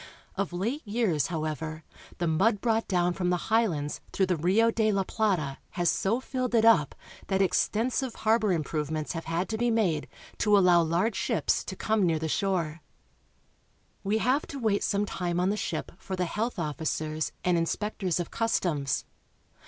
Of late years, however, the mud brought down from the highlands through the Rio de la Plata has so filled it up that extensive harbor improvements have had to be made to allow large ships to come near the shore. We have to wait some time on the ship for the health officers and inspectors of customs.